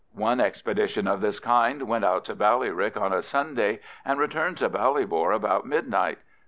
One expedition of this kind went out to Ballyrick on a Sunday and returned to Ballybor about midnight.